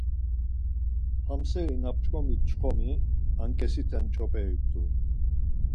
Ham seri na p̌ç̌ǩomit çxomi anǩesiten ç̌operi t̆u.